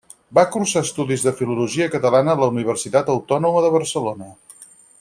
Va cursar estudis de Filologia Catalana a la Universitat Autònoma de Barcelona.